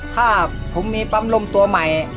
ถ้าผมมีปั๊มลมตัวใหม่